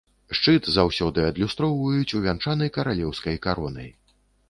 Шчыт заўсёды адлюстроўваюць увянчаны каралеўскай каронай.